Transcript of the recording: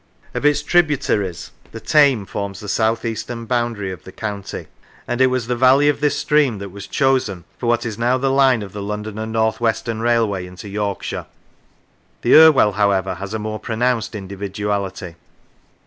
Of its tributaries, the Tame forms the south eastern boundary of the county, and it was the valley of this stream that was chosen for what is now the line of the London and "5 Lancashire North Western Railway into Yorkshire; the Irwell, however, has a more pronounced individuality.